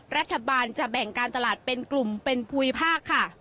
รัฐบาลจะแบ่งการตลาดเป็นกลุ่มเป็นภูมิภาคค่ะ